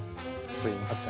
すいません